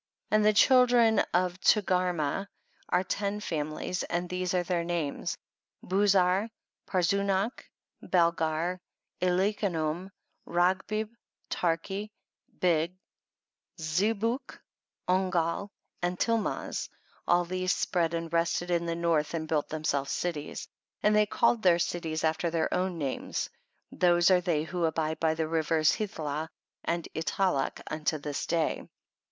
And the children of Tugarma are ten families, and these are their names ; Buzar, Parzunac, Balgar, Elicanum, Ragbib, Tarki, Bid, Ze buc, Ongal and Tilmaz ; all these spread and rested in the North and built themselves cities. 1 1 . And they called their cities after their own names, those are they who abide by the rivers Hithlah and Italac unto litis day.